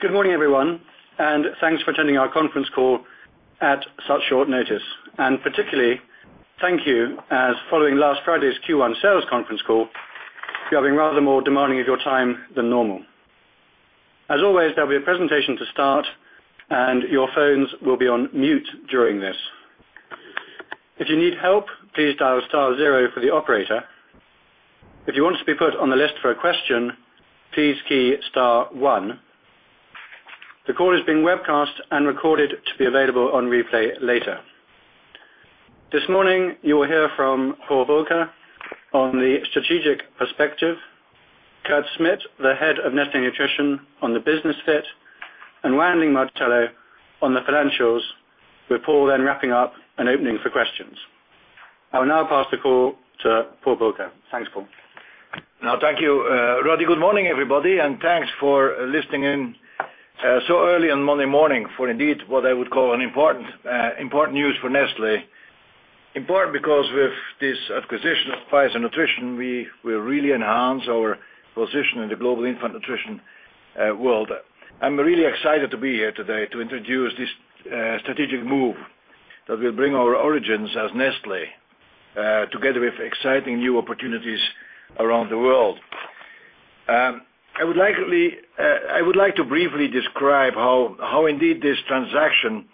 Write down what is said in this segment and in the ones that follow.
Good morning, everyone, and thanks for attending our conference call at such short notice. Particularly, thank you, as following last Friday's Q1 sales conference call, you are being rather more demanding of your time than normal. As always, there will be a presentation to start, and your phones will be on mute during this. If you need help, please dial star zero for the operator. If you want to be put on the list for a question, please key star one. The call is being webcast and recorded to be available on replay later. This morning, you will hear from Paul Bulcke on the strategic perspective, Kurt Schmidt, the Head of Nestlé Nutrition, on the business fit, and Wan Ling Martello on the financials, with Paul then wrapping up and opening for questions. I will now pass the call to Paul Bulcke. Thanks, Paul. Now, thank you. Really good morning, everybody, and thanks for listening in so early on Monday morning for indeed what I would call important news for Nestlé. Important because with this acquisition of Pfizer Nutrition, we will really enhance our position in the global infant nutrition world. I'm really excited to be here today to introduce this strategic move that will bring our origins as Nestlé together with exciting new opportunities around the world. I would like to briefly describe how indeed this transaction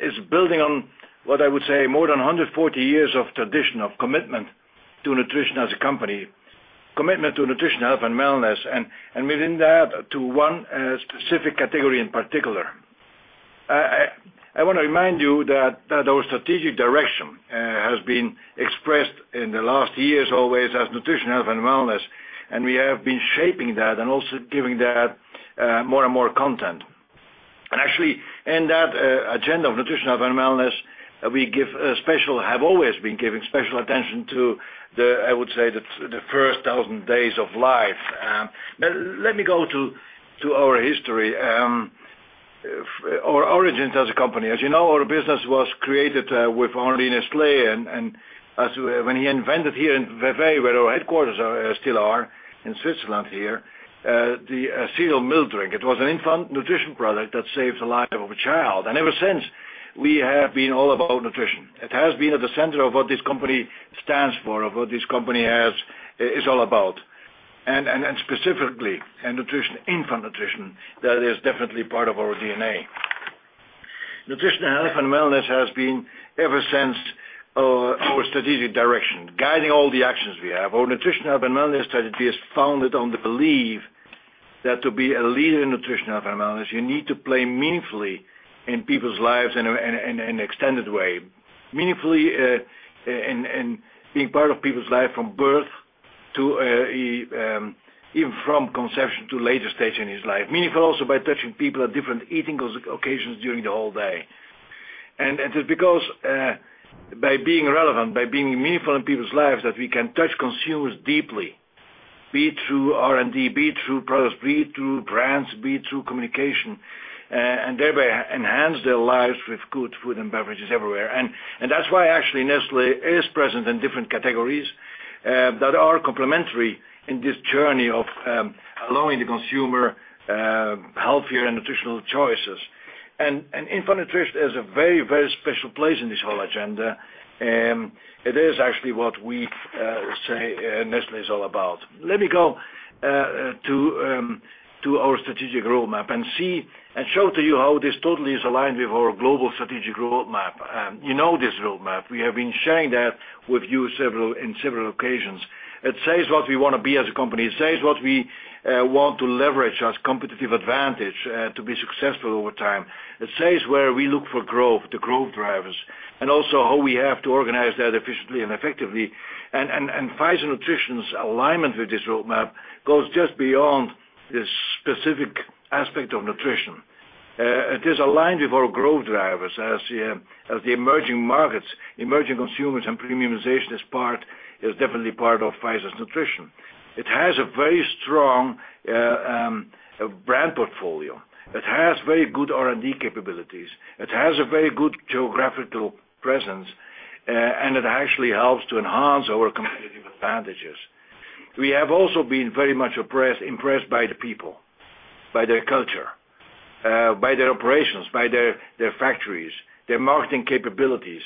is building on what I would say more than 140 years of tradition of commitment to nutrition as a company, commitment to nutrition, health, and wellness, and within that, to one specific category in particular. I want to remind you that our strategic direction has been expressed in the last years always as nutrition, health, and wellness, and we have been shaping that and also giving that more and more content. Actually, in that agenda of nutrition, health, and wellness, we give special, have always been giving special attention to the, I would say, the first thousand days of life. Let me go to our history, our origins as a company. As you know, our business was created with Henri Nestlé. When he invented here in Vevey, where our headquarters still are, in Switzerland here, the Cereal Milk Drink, it was an infant nutrition product that saved the life of a child. Ever since, we have been all about nutrition. It has been at the center of what this company stands for, of what this company is all about. Specifically, infant nutrition, that is definitely part of our DNA. Nutrition, health, and wellness has been ever since our strategic direction, guiding all the actions we have. Our nutrition, health, and wellness strategy is founded on the belief that to be a leader in nutrition, health, and wellness, you need to play meaningfully in people's lives in an extended way. Meaningfully in being part of people's life from birth to even from conception to later stage in his life. Meaningful also by touching people at different eating occasions during the whole day. It is because by being relevant, by being meaningful in people's lives, that we can touch consumers deeply, be it through R&D, be it through products, be it through brands, be it through communication, and thereby enhance their lives with good food and beverages everywhere. That's why actually Nestlé is present in different categories that are complementary in this journey of allowing the consumer healthier and nutritional choices. Infant nutrition is a very, very special place in this whole agenda. It is actually what we say Nestlé is all about. Let me go to our strategic roadmap and show to you how this totally is aligned with our global strategic roadmap. You know this roadmap. We have been sharing that with you on several occasions. It says what we want to be as a company. It says what we want to leverage as a competitive advantage to be successful over time. It says where we look for growth, the growth drivers, and also how we have to organize that efficiently and effectively. Pfizer Nutrition's alignment with this roadmap goes just beyond this specific aspect of nutrition. It is aligned with our growth drivers as the emerging markets, emerging consumers, and premiumization is definitely part of Pfizer's Nutrition. It has a very strong brand portfolio. It has very good R&D capabilities. It has a very good geographical presence. It actually helps to enhance our competitive advantages. We have also been very much impressed by the people, by their culture, by their operations, by their factories, their marketing capabilities.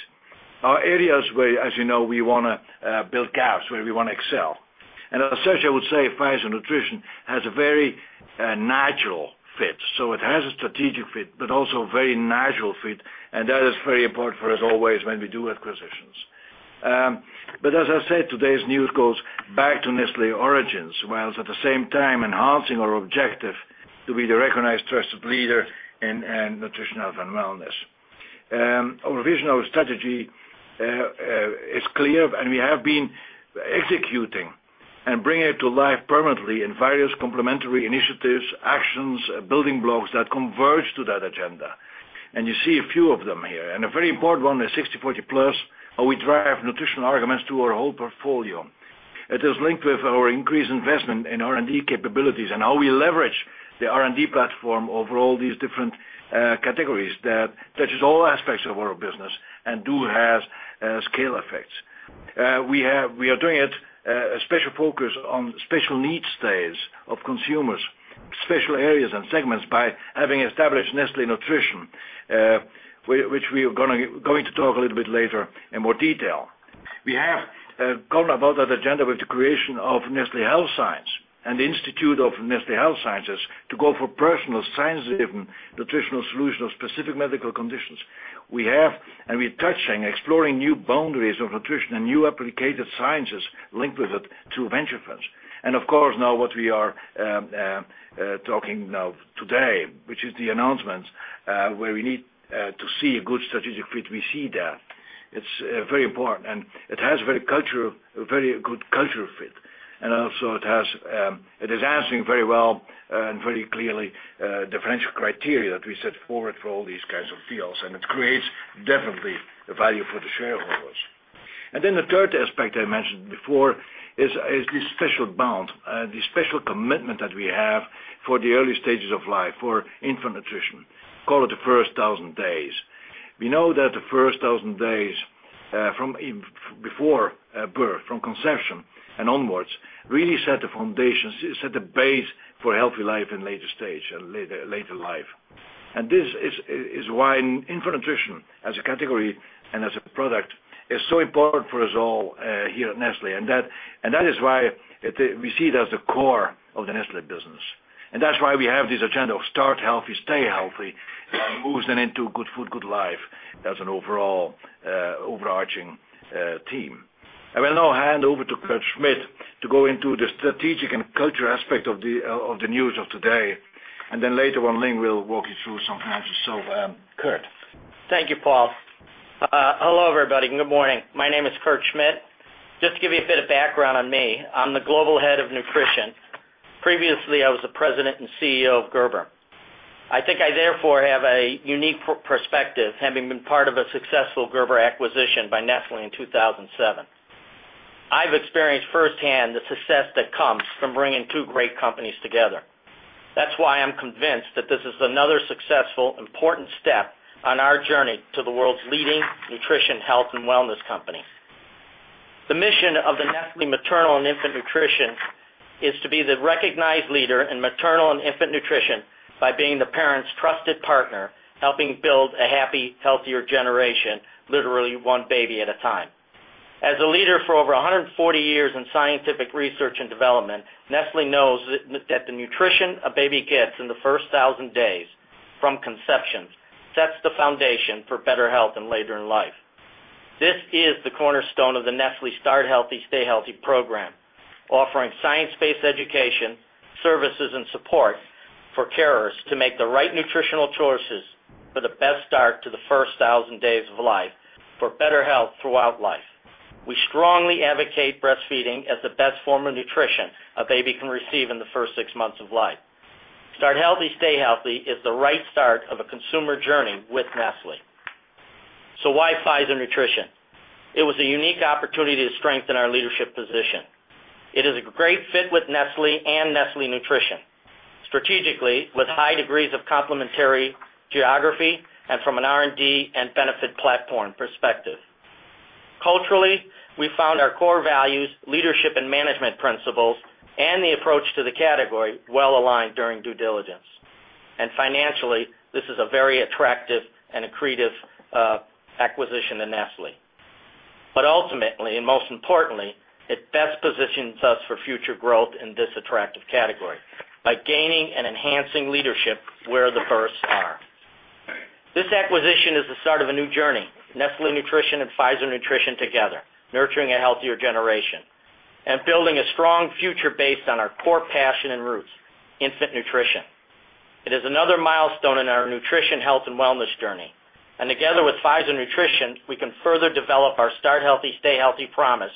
These are areas where, as you know, we want to build gaps, where we want to excel. As such, I would say Pfizer Nutrition has a very natural fit. It has a strategic fit, but also a very natural fit. That is very important for us always when we do acquisitions. As I said, today's news goes back to Nestlé origins, whilst at the same time enhancing our objective to be the recognized, trusted leader in nutrition, health, and wellness. Our vision, our strategy is clear, and we have been executing and bringing it to life permanently in various complementary initiatives, actions, and building blocks that converge to that agenda. You see a few of them here. A very important one is 60/40+, how we drive nutrition arguments to our whole portfolio. It is linked with our increased investment in R&D capabilities and how we leverage the R&D platform over all these different categories that touch all aspects of our business and do have scale effects. We are doing a special focus on special needs days of consumers, special areas and segments by having established Nestlé Nutrition, which we are going to talk a little bit later in more detail. We have gone about that agenda with the creation of Nestlé Health Science and the Institute of Nestlé Health Sciences to go for personal science-driven nutritional solutions of specific medical conditions. We have, and we're touching, exploring new boundaries of nutrition and new applicated sciences linked with it through venture funds. Of course, now what we are talking about today, which is the announcements where we need to see a good strategic fit, we see that. It's very important. It has a very good cultural fit. It is answering very well and very clearly the financial criteria that we set forward for all these kinds of fields. It creates definitely value for the shareholders. The third aspect I mentioned before is this special bond, the special commitment that we have for the early stages of life for infant nutrition. Call it the first thousand days. We know that the first thousand days from even before birth, from conception and onwards, really set the foundation, set the base for healthy life in later stage and later life. This is why infant nutrition as a category and as a product is so important for us all here at Nestlé. That is why we see it as the core of the Nestlé business. That's why we have this agenda of start healthy, stay healthy, move then into good food, good life as an overall overarching team. I will now hand over to Kurt Schmidt to go into the strategic and cultural aspect of the news of today. Later, Wan Ling Martello will walk you through some facts of Kurt's. Thank you, Paul. Hello, everybody. Good morning. My name is Kurt Schmidt. Just to give you a bit of background on me, I'm the Global Head of Nutrition. Previously, I was the President and CEO of Gerber. I think I therefore have a unique perspective, having been part of a successful Gerber acquisition by Nestlé in 2007. I've experienced firsthand the success that comes from bringing two great companies together. That's why I'm convinced that this is another successful, important step on our journey to the world's leading nutrition, health, and wellness company. The mission of the Nestlé Maternal and Infant Nutrition is to be the recognized leader in maternal and infant nutrition by being the parent's trusted partner, helping build a happy, healthier generation, literally one baby at a time. As a leader for over 140 years in scientific research and development, Nestlé knows that the nutrition a baby gets in the first thousand days from conception sets the foundation for better health and later in life. This is the cornerstone of the Nestlé Start Healthy, Stay Healthy program, offering science-based education, services, and support for carers to make the right nutritional choices for the best start to the first thousand days of life for better health throughout life. We strongly advocate breastfeeding as the best form of nutrition a baby can receive in the first six months of life. Start Healthy, Stay Healthy is the right start of a consumer journey with Nestlé. Why Pfizer Nutrition? It was a unique opportunity to strengthen our leadership position. It is a great fit with Nestlé and Nestlé Nutrition, strategically with high degrees of complementary geography and from an R&D and benefit platform perspective. Culturally, we found our core values, leadership, and management principles, and the approach to the category well aligned during due diligence. Financially, this is a very attractive and accretive acquisition to Nestlé. Ultimately, and most importantly, it best positions us for future growth in this attractive category by gaining and enhancing leadership where the births are. This acquisition is the start of a new journey, Nestlé Nutrition and Pfizer Nutrition together, nurturing a healthier generation and building a strong future based on our core passion and roots, infant nutrition. It is another milestone in our nutrition, health, and wellness journey. Together with Pfizer Nutrition, we can further develop our Start Healthy, Stay Healthy promise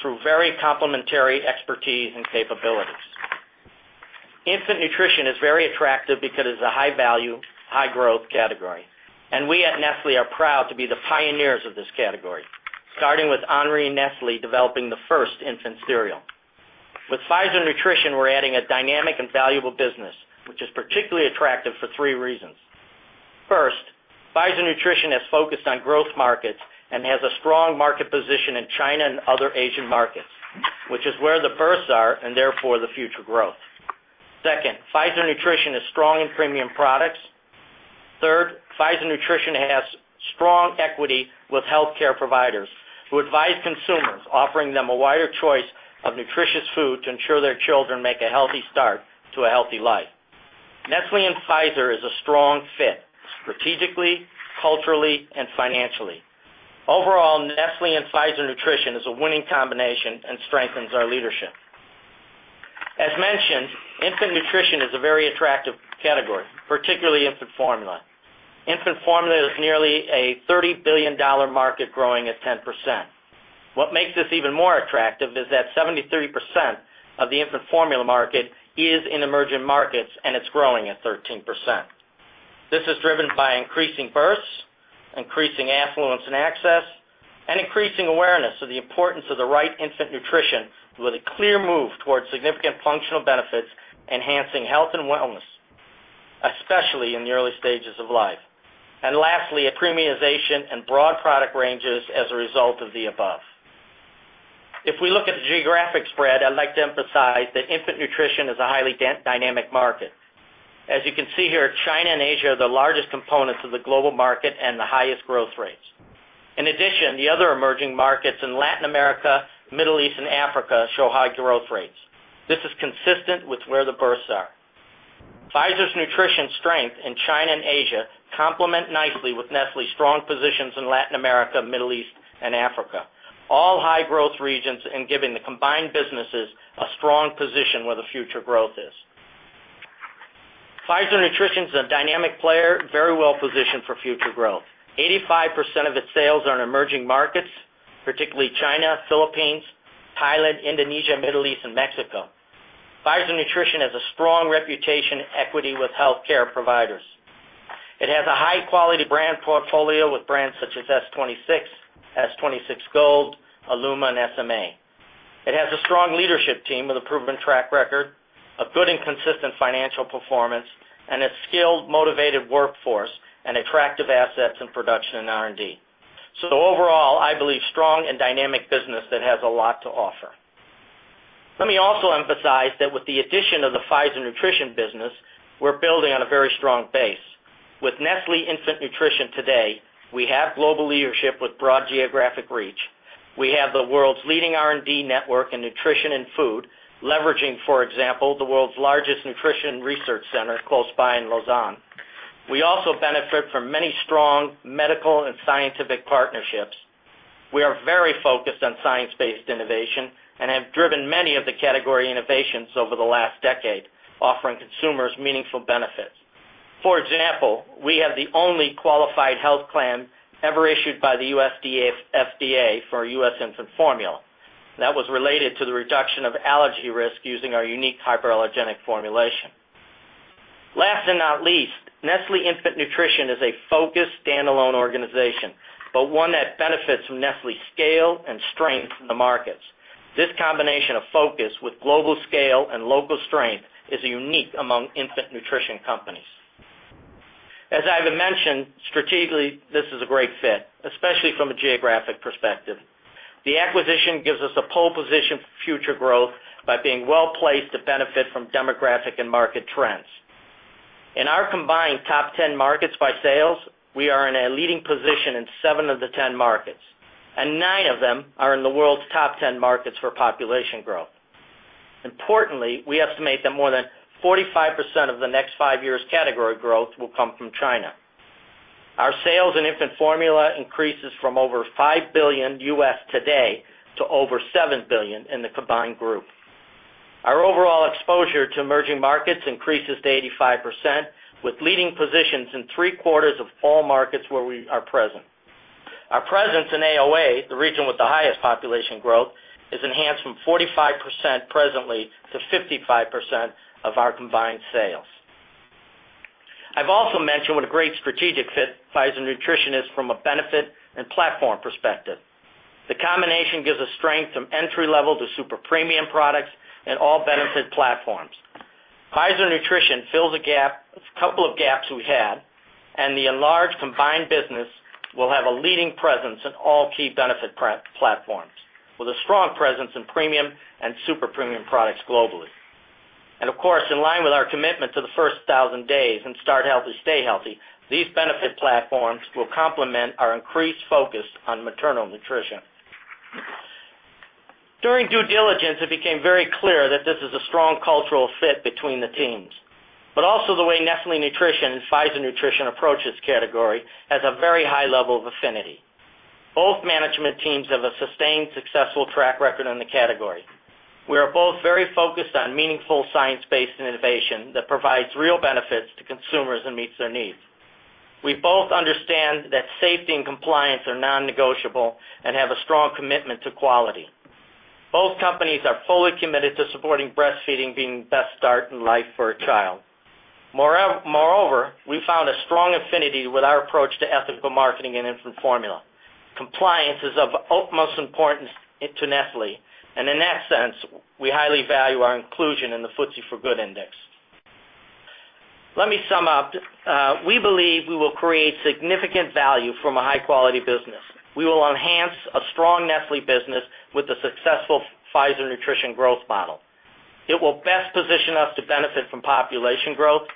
through very complementary expertise and capabilities. Infant nutrition is very attractive because it is a high value, high growth category. We at Nestlé are proud to be the pioneers of this category, starting with Henri Nestlé developing the first infant cereal. With Pfizer Nutrition, we're adding a dynamic and valuable business, which is particularly attractive for three reasons. First, Pfizer Nutrition has focused on growth markets and has a strong market position in China and other Asian markets, which is where the births are and therefore the future growth. Second, Pfizer Nutrition is strong in premium products. Third, Pfizer Nutrition has strong equity with healthcare providers who advise consumers, offering them a wider choice of nutritious food to ensure their children make a healthy start to a healthy life. Nestlé and Pfizer is a strong fit, strategically, culturally, and financially. Overall, Nestlé and Pfizer Nutrition is a winning combination and strengthens our leadership. As mentioned, infant nutrition is a very attractive category, particularly infant formula. Infant formula is nearly a $30 billion market growing at 10%. What makes this even more attractive is that 73% of the infant formula market is in emerging markets, and it's growing at 13%. This is driven by increasing births, increasing affluence and access, and increasing awareness of the importance of the right infant nutrition with a clear move towards significant functional benefits, enhancing health and wellness, especially in the early stages of life. Lastly, premiumization and broad product ranges are a result of the above. If we look at the geographic spread, I'd like to emphasize that infant nutrition is a highly dynamic market. As you can see here, China and Asia are the largest components of the global market and the highest growth rates. In addition, the other emerging markets in Latin America, Middle East, and Africa show high growth rates. This is consistent with where the births are. Pfizer Nutrition's strength in China and Asia complements nicely with Nestlé's strong positions in Latin America, Middle East, and Africa, all high growth regions and giving the combined businesses a strong position where the future growth is. Pfizer Nutrition is a dynamic player, very well positioned for future growth. 85% of its sales are in emerging markets, particularly China, Philippines, Thailand, Indonesia, Middle East, and Mexico. Pfizer Nutrition has a strong reputation and equity with healthcare providers. It has a high-quality brand portfolio with brands such as S26, S26 Gold, Illuma, and SMA. It has a strong leadership team with a proven track record, a good and consistent financial performance, and a skilled, motivated workforce and attractive assets in production and R&D. Overall, I believe strong and dynamic business that has a lot to offer. Let me also emphasize that with the addition of the Pfizer Nutrition business, we're building on a very strong base. With Nestlé Infant Nutrition today, we have global leadership with broad geographic reach. We have the world's leading R&D network in nutrition and food, leveraging, for example, the world's largest nutrition research center close by in Lausanne. We also benefit from many strong medical and scientific partnerships. We are very focused on science-based innovation and have driven many of the category innovations over the last decade, offering consumers meaningful benefits. For example, we have the only qualified health claim ever issued by the USDA FDA for U.S. infant formula. That was related to the reduction of allergy risk using our unique hypoallergenic formulation. Last and not least, Nestlé Infant Nutrition is a focused standalone organization, but one that benefits from Nestlé's scale and strength in the markets. This combination of focus with global scale and local strength is unique among infant nutrition companies. As I've mentioned, strategically, this is a great fit, especially from a geographic perspective. The acquisition gives us a pole position for future growth by being well placed to benefit from demographic and market trends. In our combined top 10 markets by sales, we are in a leading position in seven of the 10 markets, and nine of them are in the world's top 10 markets for population growth. Importantly, we estimate that more than 45% of the next five years' category growth will come from China. Our sales in infant formula increases from over $5 billion today to over $7 billion in the combined group. Our overall exposure to emerging markets increases to 85%, with leading positions in three quarters of all markets where we are present. Our presence in AOA, the region with the highest population growth, is enhanced from 45% presently to 55% of our combined sales. I've also mentioned what a great strategic fit Pfizer Nutrition is from a benefit and platform perspective. The combination gives us strength from entry-level to super premium products in all benefit platforms. Pfizer Nutrition fills a couple of gaps we had, and the enlarged combined business will have a leading presence in all key benefit platforms, with a strong presence in premium and super premium products globally. Of course, in line with our commitment to the first thousand days and Start Healthy, Stay Healthy, these benefit platforms will complement our increased focus on maternal nutrition. During due diligence, it became very clear that this is a strong cultural fit between the teams, but also the way Nestlé Nutrition and Pfizer Nutrition approach its category has a very high level of affinity. Both management teams have a sustained successful track record in the category. We are both very focused on meaningful science-based innovation that provides real benefits to consumers and meets their needs. We both understand that safety and compliance are non-negotiable and have a strong commitment to quality. Both companies are fully committed to supporting breastfeeding being the best start in life for a child. Moreover, we found a strong affinity with our approach to ethical marketing in infant formula. Compliance is of utmost importance to Nestlé, and in that sense, we highly value our inclusion in the FTSE for Good Index. Let me sum up. We believe we will create significant value from a high-quality business. We will enhance a strong Nestlé business with a successful Pfizer Nutrition growth model. It will best position us to benefit from population growth.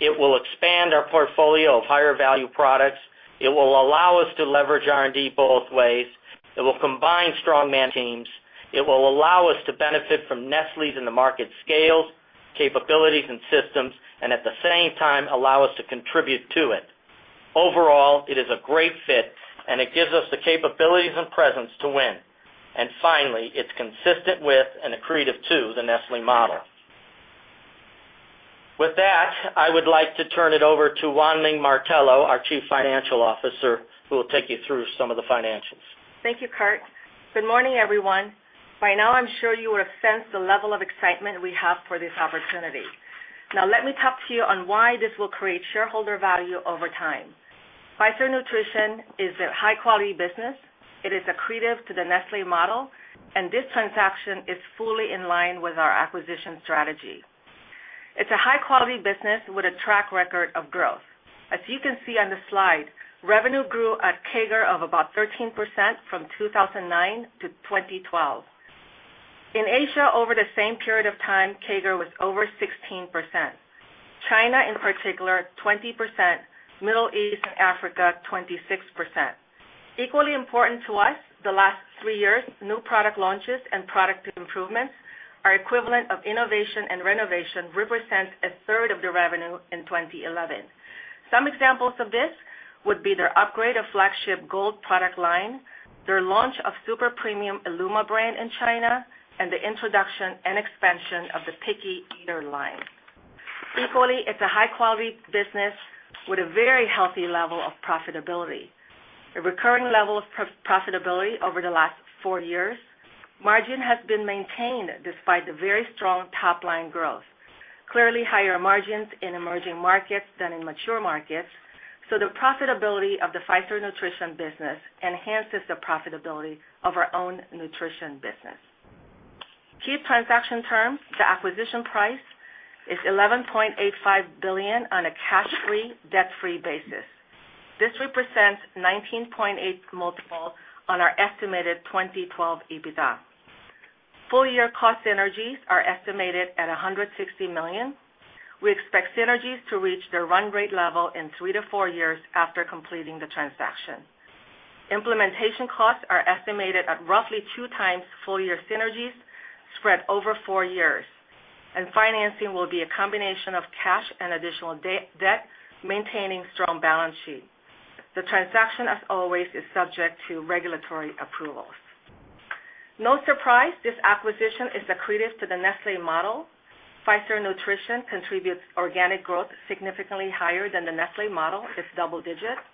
It will expand our portfolio of higher value products. It will allow us to leverage R&D both ways. It will combine strong management teams. It will allow us to benefit from Nestlé's in the market scales, capabilities, and systems, and at the same time, allow us to contribute to it. Overall, it is a great fit, and it gives us the capabilities and presence to win. Finally, it's consistent with and accretive to the Nestlé model. With that, I would like to turn it over to Wan Ling Martello, our Chief Financial Officer, who will take you through some of the financials. Thank you, Kurt. Good morning, everyone. By now, I'm sure you would have sensed the level of excitement we have for this opportunity. Now, let me talk to you on why this will create shareholder value over time. Pfizer Nutrition is a high-quality business. It is accretive to the Nestlé model, and this transaction is fully in line with our acquisition strategy. It's a high-quality business with a track record of growth. As you can see on the slide, revenue grew at CAGR of about 13% from 2009-2012. In Asia, over the same period of time, CAGR was over 16%. China, in particular, 20%. Middle East and Africa, 26%. Equally important to us, the last three years, new product launches and product improvements, our equivalent of innovation and renovation, represent a third of the revenue in 2011. Some examples of this would be their upgrade of flagship Gold product line, their launch of super premium Illuma brand in China, and the introduction and expansion of the Picky Eater line. Equally, it's a high-quality business with a very healthy level of profitability. A recurring level of profitability over the last four years. Margin has been maintained despite the very strong top line growth. Clearly, higher margins in emerging markets than in mature markets. The profitability of the Pfizer Nutrition business enhances the profitability of our own nutrition business. Key transaction terms, the acquisition price is $11.85 billion on a cash-free, debt-free basis. This represents a 19.8x on our estimated 2012 EBITDA. Full-year cost synergies are estimated at $160 million. We expect synergies to reach their run rate level in three to four years after completing the transaction. Implementation costs are estimated at roughly two times full-year synergies spread over four years. Financing will be a combination of cash and additional debt, maintaining strong balance sheet. The transaction, as always, is subject to regulatory approvals. No surprise, this acquisition is accretive to the Nestlé model. Pfizer Nutrition contributes organic growth significantly higher than the Nestlé model, it's double digits.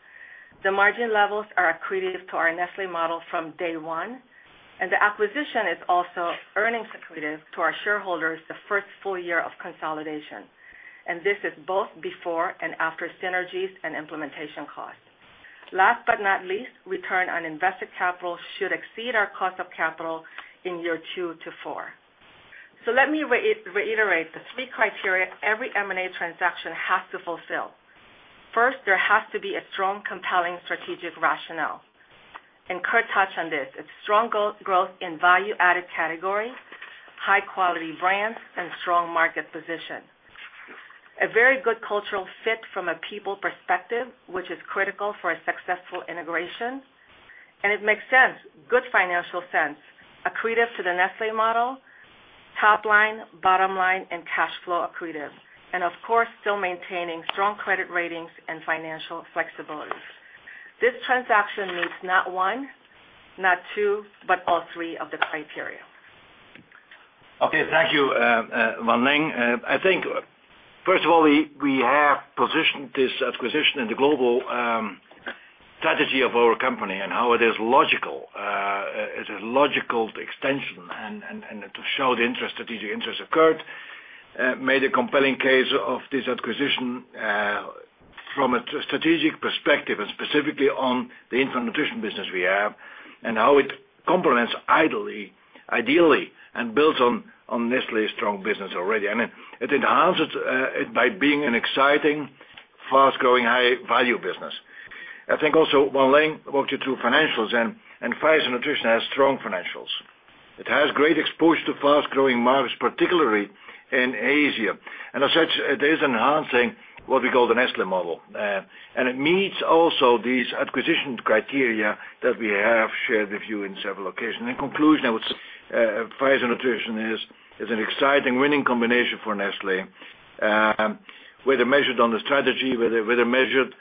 The margin levels are accretive to our Nestlé model from day one. The acquisition is also earnings accretive to our shareholders the first full year of consolidation. This is both before and after synergies and implementation costs. Last but not least, return on invested capital should exceed our cost of capital in year two to four. Let me reiterate the three criteria every M&A transaction has to fulfill. First, there has to be a strong, compelling strategic rationale. Kurt touched on this. It's strong growth in value-added category, high-quality brands, and strong market position. A very good cultural fit from a people perspective, which is critical for a successful integration. It makes sense, good financial sense, accretive to the Nestlé model, top line, bottom line, and cash flow accretive. Of course, still maintaining strong credit ratings and financial flexibilities. This transaction needs not one, not two, but all three of the criteria. Okay, thank you, Wan Ling. I think, first of all, we have positioned this acquisition in the global strategy of our company and how it is logical. It is a logical extension. To show the strategic interest, Kurt made a compelling case of this acquisition from a strategic perspective and specifically on the infant nutrition business we have and how it complements ideally and builds on Nestlé's strong business already. It enhances it by being an exciting, fast-growing, high-value business. I think also, Wan Ling walked you through financials and Pfizer Nutrition has strong financials. It has great exposure to fast-growing markets, particularly in Asia. As such, it is enhancing what we call the Nestlé model. It meets also these acquisition criteria that we have shared with you on several occasions. In conclusion, Pfizer Nutrition is an exciting, winning combination for Nestlé. We're measured on the strategy, we're measured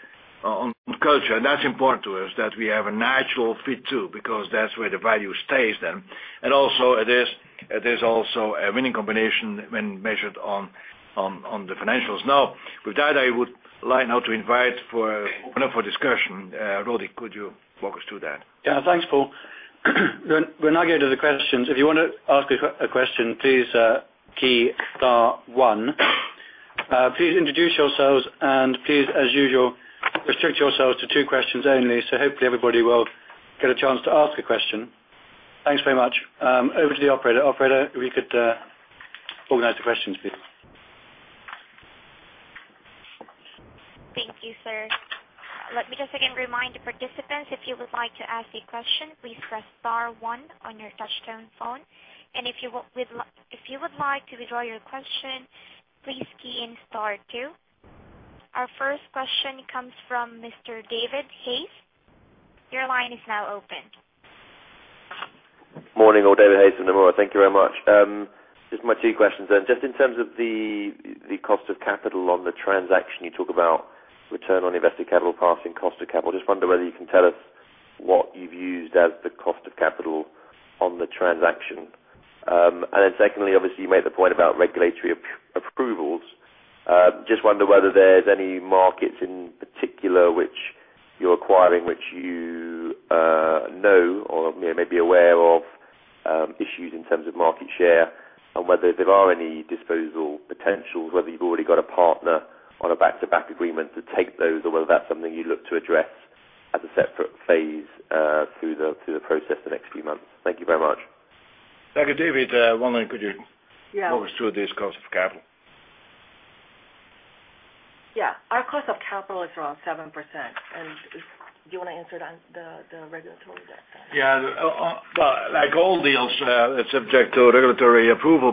on culture. That's important to us that we have a natural fit too because that's where the value stays then. It is also a winning combination when measured on the financials. Now, with that, I would like now to invite for another discussion. Rodi, could you walk us through that? Yeah, thanks, Paul. We're now going to the questions. If you want to ask a question, please key star one. Please introduce yourselves and, as usual, restrict yourselves to two questions only. Hopefully, everybody will get a chance to ask a question. Thanks very much. Over to the operator. Operator, if you could organize the questions, please. Thank you, sir. Let me just again remind the participants, if you would like to ask a question, please press star one on your touchstone phone. If you would like to withdraw your question, please key in star two. Our first question comes from Mr. David Hayes. Your line is now open. Morning, David Hayes from the world. Thank you very much. Just my two questions then. In terms of the cost of capital on the transaction, you talk about return on invested capital passing cost of capital. I just wonder whether you can tell us what you've used as the cost of capital on the transaction. Secondly, obviously, you made the point about regulatory approvals. I just wonder whether there's any markets in particular which you're acquiring, which you know or may be aware of issues in terms of market share, and whether there are any disposal potentials, whether you've already got a partner on a back-to-back agreement to take those, or whether that's something you look to address as a separate phase through the process the next few months. Thank you very much. Thank you, David. Wan Ling, could you walk us through this cost of capital? Yeah, our cost of capital is around 7%. Do you want to answer that, the regulatory? Like all deals, it's subject to regulatory approval.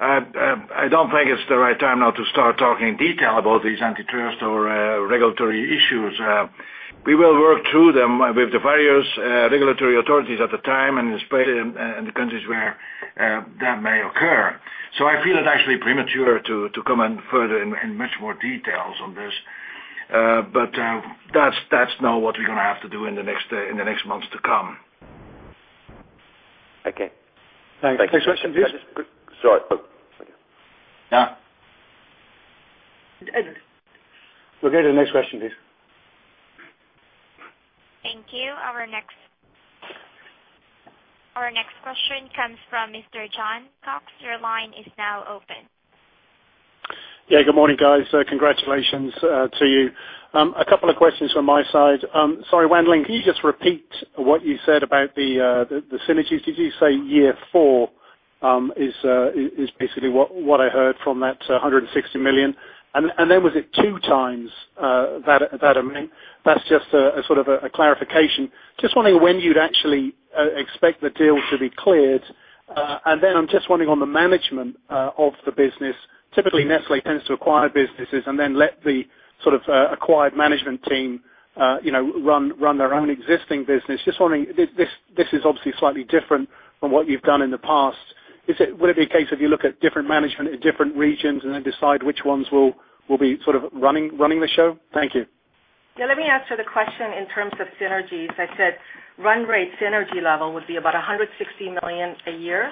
I don't think it's the right time now to start talking in detail about these antitrust or regulatory issues. We will work through them with the various regulatory authorities at the time, especially in the countries where that may occur. I feel it's actually premature to come in further in much more detail on this. That's what we're going to have to do in the next months to come. Okay. Thanks. Next question, please. Sorry. Let's go to the next question, please. Thank you. Our next question comes from Mr. John Cox. Your line is now open. Yeah, good morning, guys. Congratulations to you. A couple of questions from my side. Sorry, Wan Ling, can you just repeat what you said about the synergies? Did you say year four is basically what I heard from that $160 million? Was it two times that amount? That's just a sort of a clarification. Just wondering when you'd actually expect the deal to be cleared. I'm just wondering on the management of the business. Typically, Nestlé tends to acquire businesses and then let the sort of acquired management team run their own existing business. This is obviously slightly different from what you've done in the past. Would it be a case if you look at different management in different regions and then decide which ones will be sort of running the show? Thank you. Let me answer the question in terms of synergies. I said run rate synergy level would be about $160 million a year.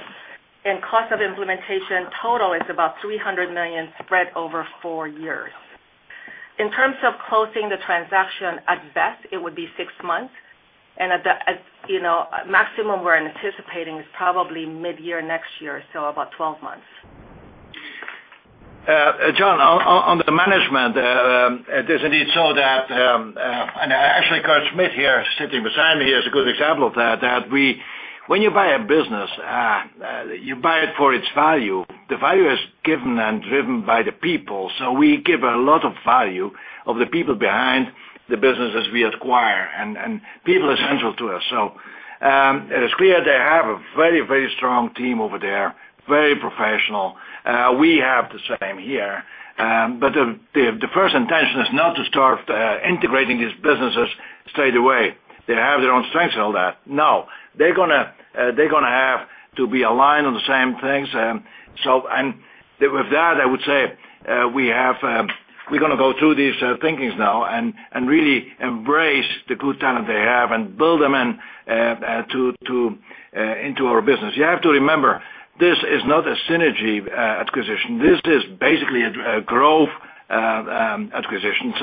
The cost of implementation total is about $300 million spread over four years. In terms of closing the transaction, at best, it would be six months. The maximum we're anticipating is probably mid-year next year, so about 12 months. John, on the management, it is indeed so that, and actually, Kurt Schmidt here sitting beside me here is a good example of that. When you buy a business, you buy it for its value. The value is given and driven by the people. We give a lot of value to the people behind the businesses we acquire and people essential to us. It is clear they have a very, very strong team over there, very professional. We have the same here. The first intention is not to start integrating these businesses straight away. They have their own strengths and all that. They are going to have to be aligned on the same things. With that, I would say we're going to go through these thinkings now and really embrace the good talent they have and build them into our business. You have to remember, this is not a synergy acquisition. This is basically a growth acquisition.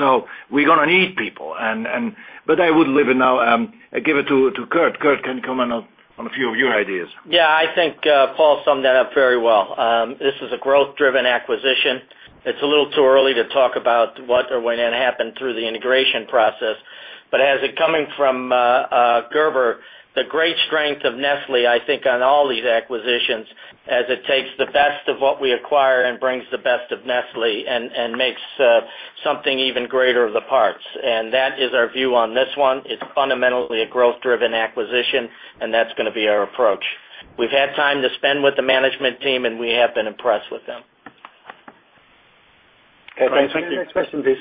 We are going to need people. I would leave it now and give it to Kurt. Kurt, can you comment on a few of your ideas? Yeah, I think Paul summed that up very well. This is a growth-driven acquisition. It's a little too early to talk about what or when it happened through the integration process. Coming from Gerber, the great strength of Nestlé, I think, on all these acquisitions is it takes the best of what we acquire and brings the best of Nestlé and makes something even greater of the parts. That is our view on this one. It's fundamentally a growth-driven acquisition, and that's going to be our approach. We've had time to spend with the management team, and we have been impressed with them. Okay, thanks. Next question, please.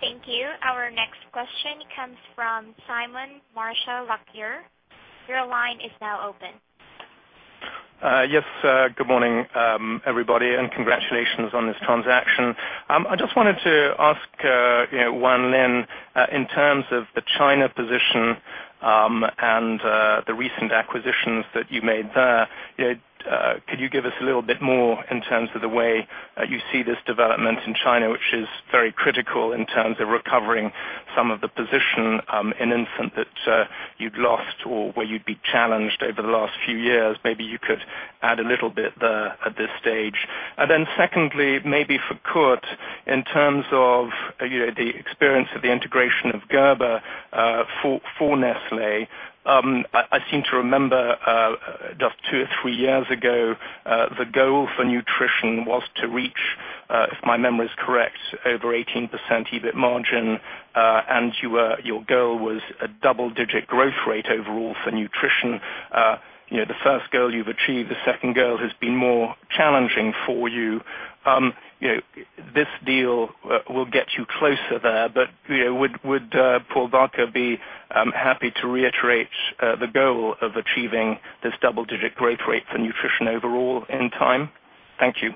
Thank you. Our next question comes from Simon Marshall-Lockyer. Your line is now open. Yes, good morning, everybody, and congratulations on this transaction. I just wanted to ask Wan Ling, in terms of the China position and the recent acquisitions that you made there, could you give us a little bit more in terms of the way you see this development in China, which is very critical in terms of recovering some of the position in infant that you'd lost or where you'd be challenged over the last few years? Maybe you could add a little bit there at this stage. Secondly, maybe for Kurt, in terms of the experience of the integration of Gerber for Nestlé, I seem to remember just two or three years ago, the goal for nutrition was to reach, if my memory is correct, over 18% EBIT margin. Your goal was a double-digit growth rate overall for nutrition. The first goal you've achieved, the second goal has been more challenging for you. This deal will get you closer there. Would Paul Bulcke be happy to reiterate the goal of achieving this double-digit growth rate for nutrition overall in time? Thank you.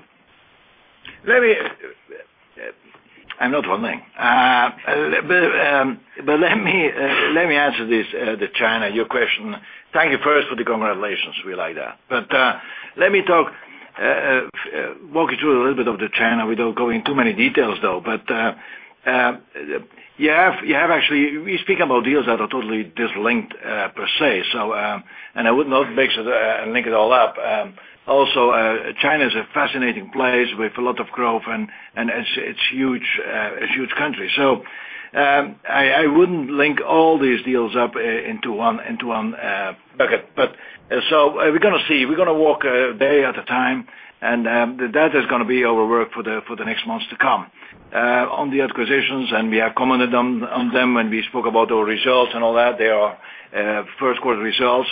I'm not wondering. Let me answer this, the China, your question. Thank you first for the congratulations. We like that. Let me walk you through a little bit of the China without going into too many details, though. You have actually, we speak about deals that are totally dislinked per se. I would not mix it and link it all up. Also, China is a fascinating place with a lot of growth, and it's a huge country. I wouldn't link all these deals up into one bucket. We're going to see. We're going to walk a day at a time. That is going to be our work for the next months to come on the acquisitions. We are commenting on them when we spoke about our results and all that. They are first-quarter results.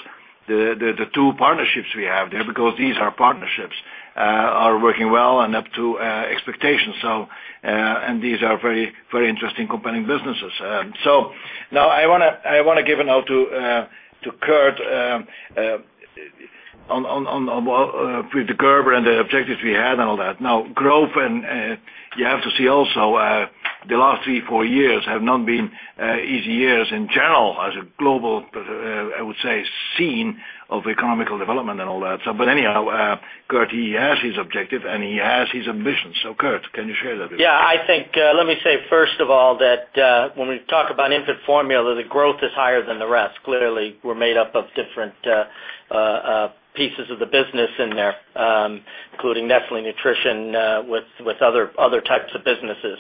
The two partnerships we have there, because these are partnerships, are working well and up to expectations. These are very, very interesting, compelling businesses. I want to give a note to Kurt with the Gerber and the objectives we had and all that. Growth, and you have to see also the last three, four years have not been easy years in general as a global, I would say, scene of economical development and all that. Anyhow, Kurt, he has his objective, and he has his ambitions. Kurt, can you share that with us? I think let me say, first of all, that when we talk about infant formula, the growth is higher than the rest. Clearly, we're made up of different pieces of the business in there, including Nestlé Nutrition with other types of businesses.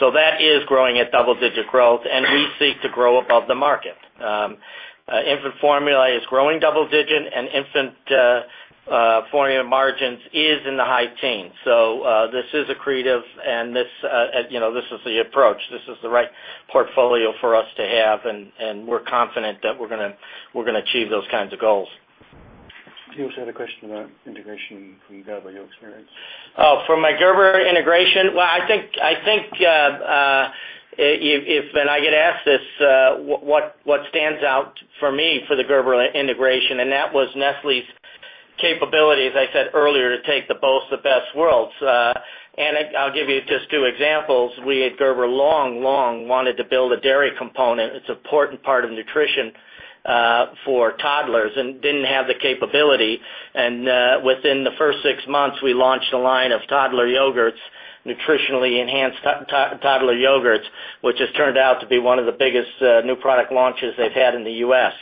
That is growing at double-digit growth, and we seek to grow above the market. Infant formula is growing double-digit, and infant formula margins are in the high teens. This is accretive, and this is the approach. This is the right portfolio for us to have, and we're confident that we're going to achieve those kinds of goals. You also had a question about integration from Gerber, your experience. Oh, from my Gerber integration? If I get asked this, what stands out for me for the Gerber integration? That was Nestlé's capabilities, I said earlier, to take both the best worlds. I'll give you just two examples. We at Gerber long, long wanted to build a dairy component. It's an important part of nutrition for toddlers and didn't have the capability. Within the first six months, we launched a line of toddler yogurts, nutritionally enhanced toddler yogurts, which has turned out to be one of the biggest new product launches they've had in the U.S.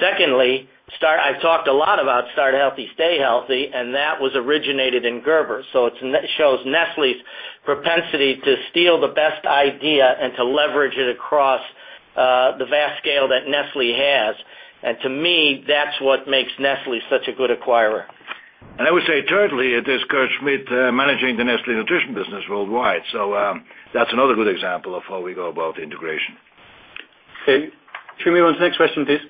I've talked a lot about Start Healthy, Stay Healthy, and that was originated in Gerber. It shows Nestlé's propensity to steal the best idea and to leverage it across the vast scale that Nestlé has. To me, that's what makes Nestlé such a good acquirer. I would say thirdly, it is Kurt Schmidt managing the Nestlé Nutrition business worldwide. That's another good example of how we go about integration. Okay. Who wants the next question, please?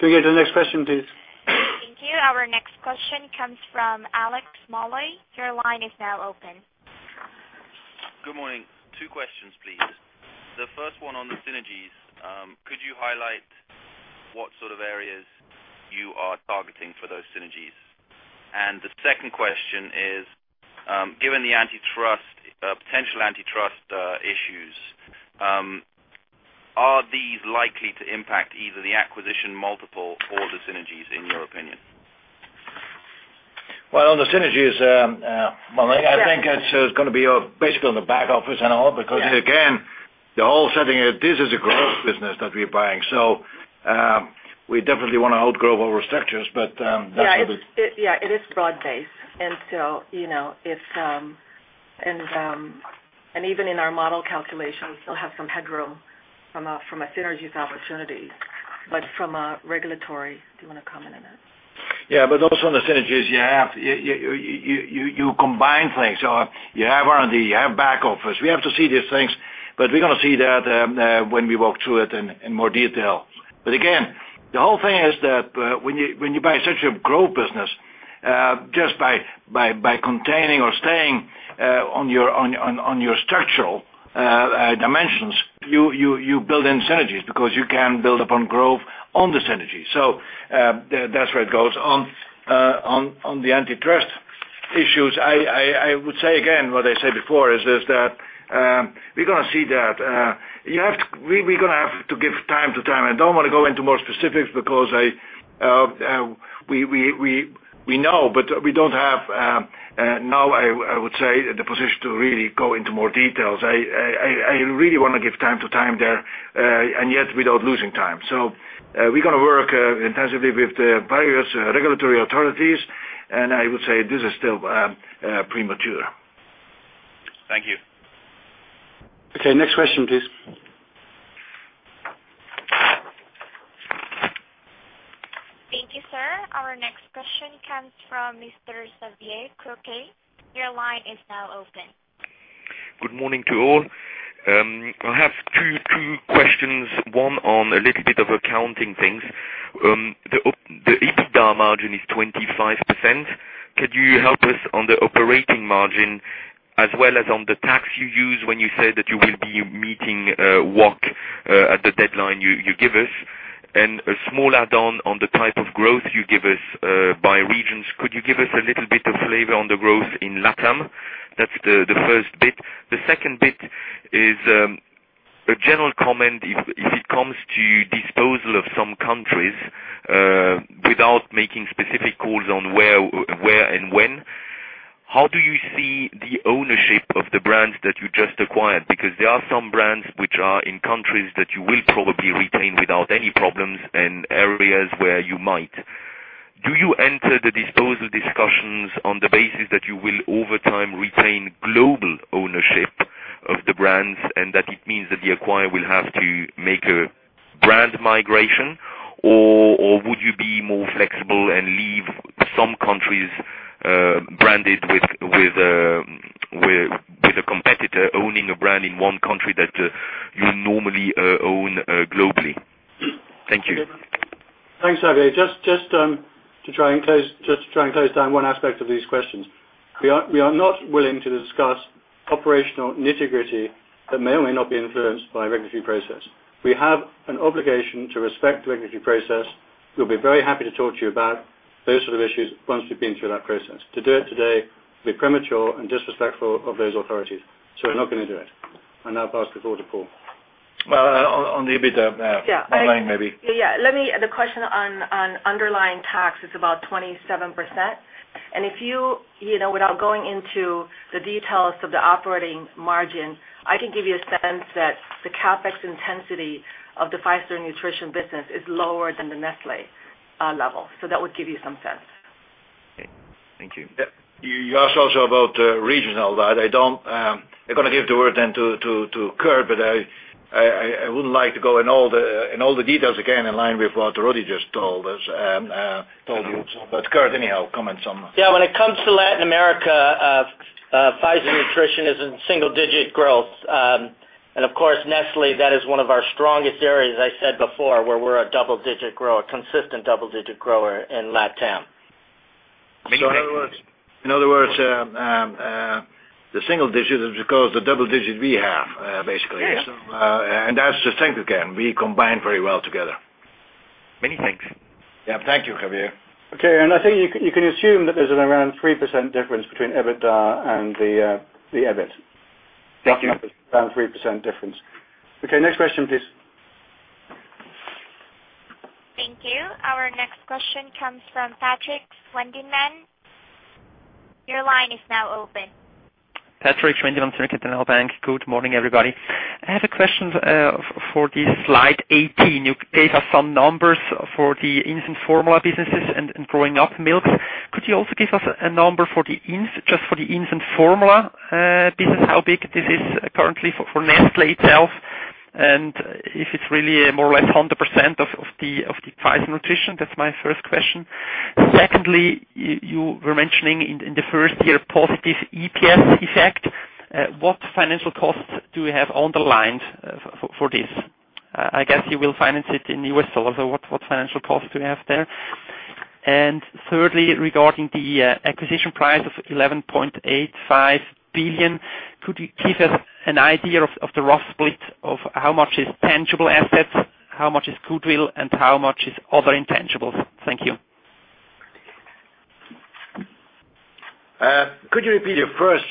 Can we get the next question, please? Thank you. Our next question comes from Alex Molloy. Your line is now open. Good morning. Two questions, please. The first one on the synergies, could you highlight what sort of areas you are targeting for those synergies? The second question is, given the potential antitrust issues, are these likely to impact either the acquisition multiple or the synergies, in your opinion? On the synergies, I think it's going to be basically on the back office and all because, again, the whole setting of this is a growth business that we're buying. We definitely want to outgrow our structures, but that's going to be. It is broad-based. You know it's, and even in our model calculations, they'll have some headroom from a synergy opportunity. From a regulatory, do you want to comment on that? Yeah, but also on the synergies, you have to combine things. You have R&D, you have back office. We have to see these things, but we're going to see that when we walk through it in more detail. Again, the whole thing is that when you buy such a growth business, just by containing or staying on your structural dimensions, you build in synergies because you can build upon growth on the synergies. That's where it goes. On the antitrust issues, I would say, again, what I said before is that we're going to see that. We're going to have to give time to time. I don't want to go into more specifics because we know, but we don't have now, I would say, the position to really go into more details. I really want to give time to time there, and yet without losing time. We're going to work intensively with the various regulatory authorities, and I would say this is still premature. Thank you. Okay, next question, please. Thank you, sir. Our next question comes from Mr. Xavier Cloquet. Your line is now open. Good morning to all. I have two questions. One on a little bit of accounting things. The EBITDA margin is 25%. Could you help us on the operating margin as well as on the tax you use when you say that you will be meeting WOC at the deadline you give us? A small add-on on the type of growth you give us by regions. Could you give us a little bit of flavor on the growth in LATAM? That's the first bit. The second bit is a general comment. If it comes to disposal of some countries without making specific calls on where and when, how do you see the ownership of the brands that you just acquired? There are some brands which are in countries that you will probably retain without any problems and areas where you might. Do you enter the disposal discussions on the basis that you will over time retain global ownership of the brands and that it means that the acquirer will have to make a brand migration? Would you be more flexible and leave some countries branded with a competitor owning a brand in one country that you normally own globally? Thank you. Thanks, Xavier. Just to try and close down one aspect of these questions, we are not willing to discuss operational nitty-gritty that may or may not be influenced by a regulatory process. We have an obligation to respect the regulatory process. We'll be very happy to talk to you about those sort of issues once we've been through that process. To do it today would be premature and disrespectful of those authorities. We're not going to do it. Now back to Paul. On the EBITDA there. Yeah. Wan Ling, maybe. Yeah, let me add a question on underlying tax. It's about 27%. If you, you know, without going into the details of the operating margin, I can give you a sense that the CapEx intensity of the Pfizer Nutrition business is lower than the Nestlé level. That would give you some sense. Okay, thank you. You asked also about regional that. I don't, I'm going to give the word then to Kurt, but I wouldn't like to go in all the details again, in line with what Rodi just told us. Kurt, anyhow, comment some. Yeah, when it comes to Latin America, Pfizer Nutrition is in single-digit growth. Of course, Nestlé, that is one of our strongest areas, as I said before, where we're a double-digit grower, a consistent double-digit grower in LATAM. In other words, the single digit is because the double digit we have, basically. That's the strength again. We combine very well together. Many thanks. Yeah, thank you, Xavier. Okay, I think you can assume that there's around 3% difference between EBITDA and the EBIT. Yes. Roughly around 3% difference. Okay, next question, please. Thank you. Our next question comes from Patrick Schwendeman. Your line is now open. Good morning, everybody. I have a question for slide 18. You gave us some numbers for the infant formula businesses and growing up milk. Could you also give us a number just for the infant formula business? How big is this currently for Nestlé itself? If it's really more or less 100% of Pfizer Nutrition, that's my first question. Secondly, you were mentioning in the first year positive EPS effect. What financial costs do we have underlined for this? I guess you will finance it in U.S. dollars. What financial costs do we have there? Thirdly, regarding the acquisition price of $11.85 billion, could you give us an idea of the rough split of how much is tangible assets, how much is goodwill, and how much is other intangibles? Thank you. Could you repeat your first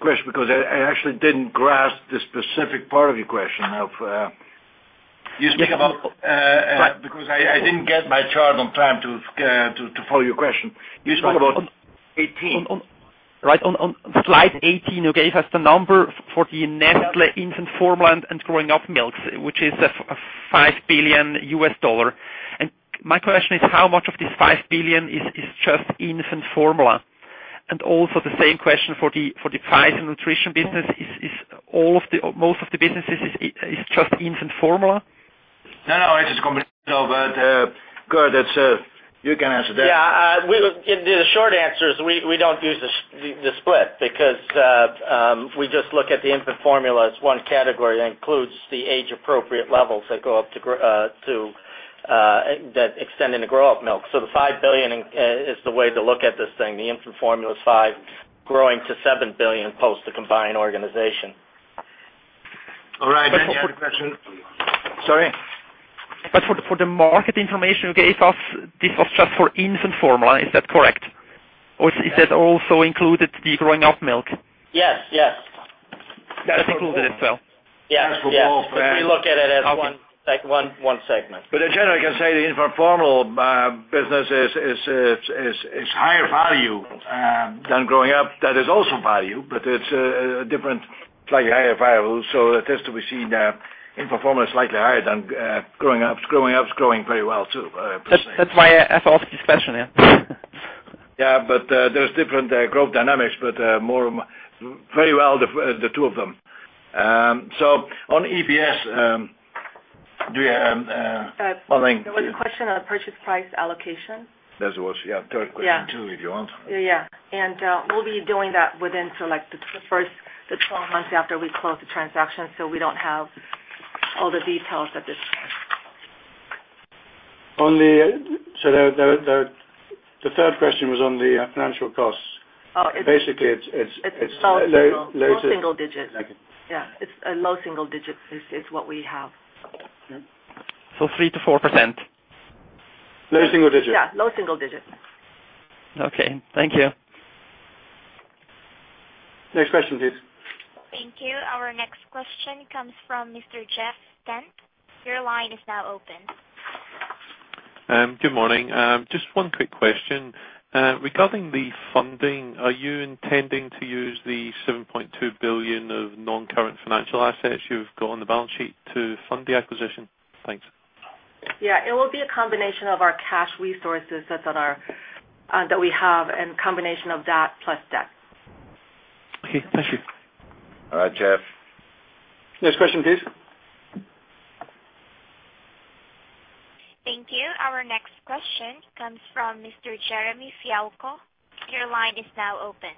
question? Because I actually didn't grasp the specific part of your question. You speak about. Right. Because I didn't get my chart on time to follow your question. You spoke about 18. Right. On slide 18, you gave us the number for the Nestlé infant formula and growing up milk, which is $5 billion. My question is, how much of this $5 billion is just infant formula? Also, the same question for the Pfizer Nutrition business. Is all or most of the business just infant formula? No, it's a combination. No, Kurt, you can answer that. Yeah. The short answer is we don't use the split because we just look at the infant formula as one category that includes the age-appropriate levels that go up to extending the grow-up milk. The $5 billion is the way to look at this thing. The infant formula is $5 billion, growing to $7 billion post the combined organization. All right. You have a question. For the market information you gave us, that's for infant formula. Is that correct? Or is that also including the growing-up milk? Yes, yes. Yeah, that's included as well. Yeah. We look at it as one segment. In general, I can say the infant formula business is higher value than growing up. That is also value, but it's a different, slightly higher value. It has to be seen that infant formula is slightly higher than growing up. Growing up is growing very well too. That's my ethos, this question. There are different growth dynamics, but very well the two of them. On EPS, do you have one thing? There was a question on purchase price allocation. There was a third question too, if you want. Yeah, we'll be doing that within the first 12 months after we close the transaction, so we don't have all the details at this time. The third question was on the financial costs. Oh, it's. Basically, it's. It's low single digits. Like it. Yeah, it's a low single digits. It's what we have. Okay. 3%-4%. Low single digits? Yeah, low single digits. Okay, thank you. Next question, please. Thank you. Our next question comes from Mr. Jeff Stent. Your line is now open. Good morning. Just one quick question. Regarding the funding, are you intending to use the $7.2 billion of non-current financial assets you've got on the balance sheet to fund the acquisition? Thanks. It will be a combination of our cash resources that we have and a combination of that plus debt. Okay, thank you. All right, Jeff. Next question, please. Thank you. Our next question comes from Mr. Jeremy Fialko. Your line is now open.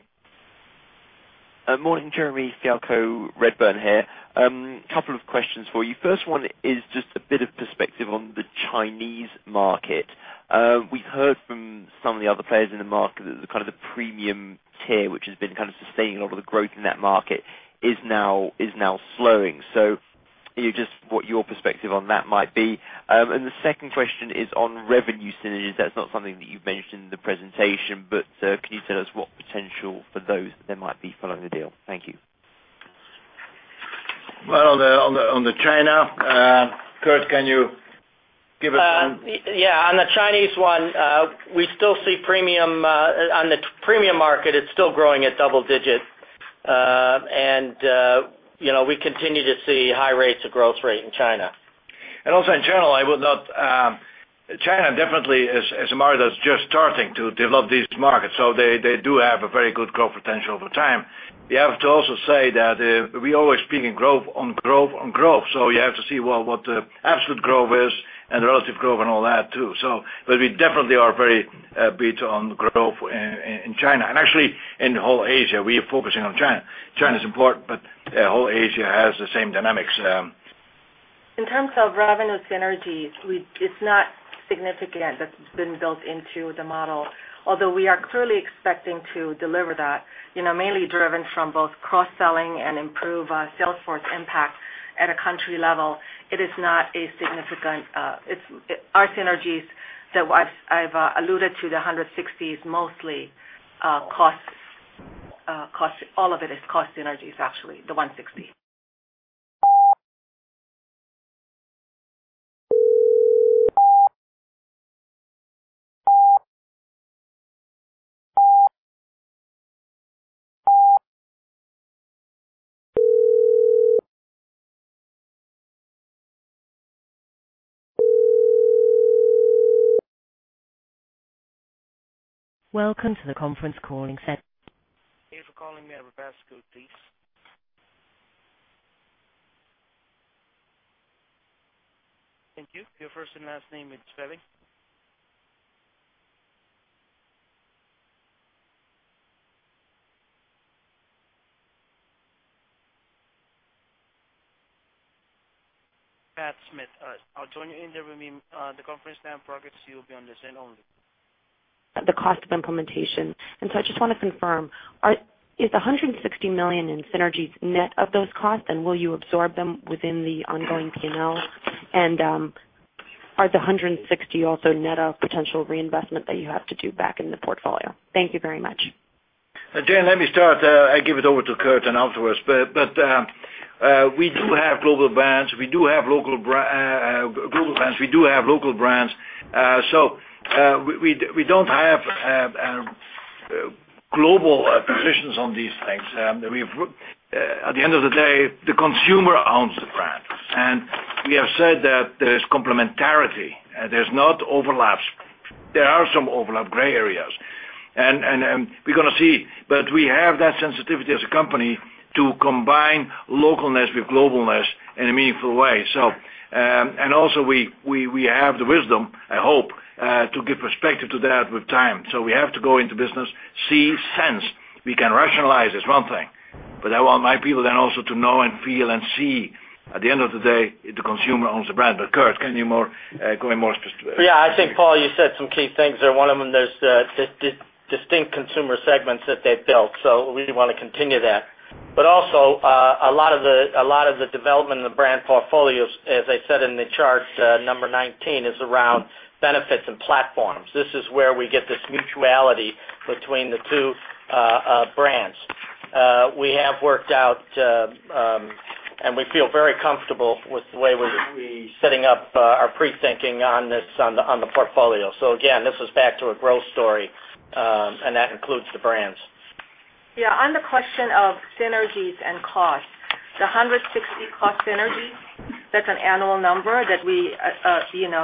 Morning, Jeremy Fialko, Redburn here. A couple of questions for you. First one is just a bit of perspective on the Chinese market. We've heard from some of the other players in the market that the kind of the premium tier, which has been kind of sustaining a lot of the growth in that market, is now slowing. Just what your perspective on that might be. The second question is on revenue synergies. That's not something that you've mentioned in the presentation, but can you tell us what potential for those there might be following the deal? Thank you. On the China, Kurt, can you give us? Yeah, on the Chinese one, we still see premium on the premium market. It's still growing at double digits. You know we continue to see high rates of growth rate in China. In general, I would not. China definitely is a market that's just starting to develop these markets. They do have a very good growth potential over time. We have to also say that we always ping growth on growth on growth. You have to see what the absolute growth is and relative growth and all that too. We definitely are very big on growth in China. Actually, in whole Asia, we are focusing on China. China is important, but whole Asia has the same dynamics. In terms of revenue synergies, it's not significant that's been built into the model. Although we are clearly expecting to deliver that, mainly driven from both cross-selling and improved Salesforce impact at a country level, it is not a significant part. Our synergies that I've alluded to, the $160 million is mostly costs. All of it is cost synergies, actually, the $160 million. Welcome to the conference call. Thank you for calling me out of Basco, please. Thank you. Your first and last name is spelling? Pat Smith. I'll join you in the room in the conference now in progress. You'll be on this end only. The cost of implementation. I just want to confirm, is the $160 million in synergies net of those costs, and will you absorb them within the ongoing P&L? Are the $160 million also net of potential reinvestment that you have to do back in the portfolio? Thank you very much. Let me start. I'll give it over to Kurt afterwards. We do have global brands. We do have local brands. We do have local brands. We don't have global positions on these things. At the end of the day, the consumer owns the brand. We have said that there's complementarity. There's not overlaps. There are some overlap, gray areas. We're going to see, but we have that sensitivity as a company to combine localness with globalness in a meaningful way. We also have the wisdom, I hope, to give perspective to that with time. We have to go into business, see, sense. We can rationalize. It's one thing. I want my people then also to know and feel and see. At the end of the day, the consumer owns the brand. Kurt, can you go in more specific? Yeah, I think, Paul, you said some key things there. One of them is distinct consumer segments that they've built. We want to continue that. Also, a lot of the development in the brand portfolios, as I said in the charts, number 19, is around benefits and platforms. This is where we get this mutuality between the two brands. We have worked out, and we feel very comfortable with the way we're setting up our pre-thinking on this on the portfolio. Again, this is back to a growth story, and that includes the brands. Yeah, on the question of synergies and costs, the $160 million cost synergies, that's an annual number that we,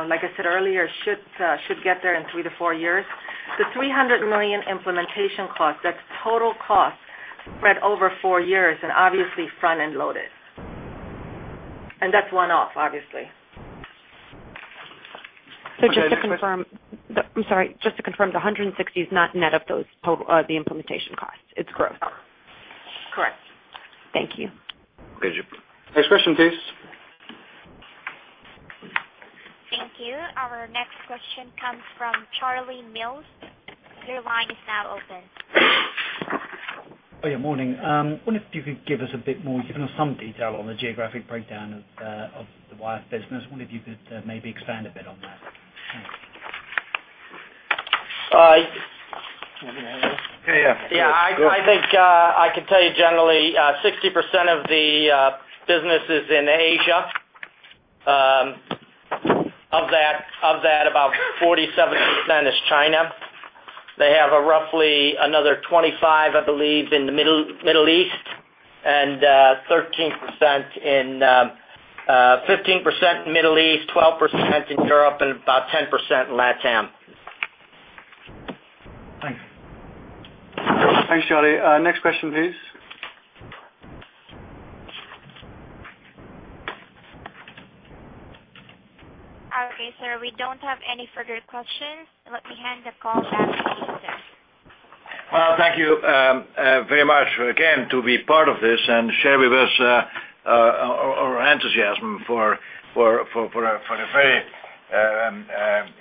like I said earlier, should get there in three to four years. The $300 million implementation cost, that's total cost spread over four years and obviously front-end loaded. That's one-off, obviously. Just to confirm, the $160 million is not net of those total of the implementation costs. It's growth. Correct. Thank you. Thank you. Next question, please. Thank you. Our next question comes from Charlie Mills. Your line is now open. Morning. I wonder if you could give us a bit more, given us some detail on the geographic breakdown of the wire business. I wonder if you could maybe expand a bit on that. Yeah, I think I can tell you generally, 60% of the business is in Asia. Of that, about 47% is China. They have roughly another 15% in the Middle East, 12% in Europe, and about 10% in LATAM. Thanks, Charlie. Next question, please. Okay, sir, we don't have any further questions. Let me hand the call back to you, sir. Thank you very much again for being part of this and sharing with us our enthusiasm for a very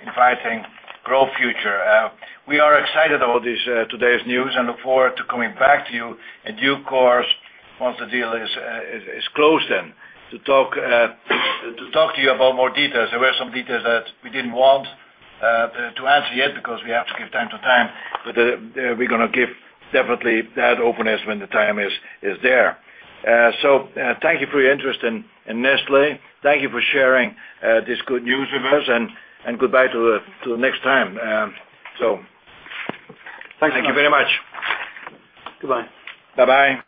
inviting growth future. We are excited about today's news and look forward to coming back to you in due course once the deal is closed to talk to you about more details. There were some details that we didn't want to answer yet because we have to give time to time. We're going to give definitely that openness when the time is there. Thank you for your interest in Nestlé. Thank you for sharing this good news with us. Goodbye to the next time. Thank you very much. Goodbye. Bye-bye.